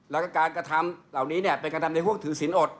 แล้วก็การกระทำเหล่านี้เนี่ยเป็นการทำในห่วงถือศีลอด